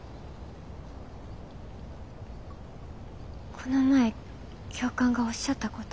この前教官がおっしゃったこと。